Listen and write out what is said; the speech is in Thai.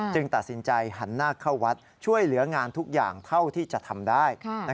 ตัดสินใจหันหน้าเข้าวัดช่วยเหลืองานทุกอย่างเท่าที่จะทำได้